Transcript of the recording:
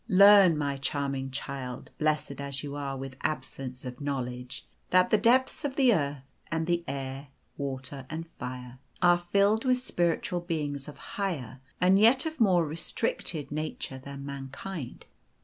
Learn, my charming child, blessed as you are with absence of knowledge, that the depths of the earth, and the air, water, and fire, are filled with spiritual beings of higher and yet of more restricted nature than mankind.